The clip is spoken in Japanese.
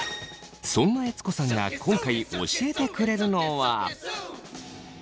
そんな悦子さんが今回教えてくれるのは。